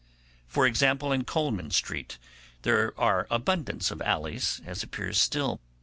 For example, in Coleman Street there are abundance of alleys, as appears still.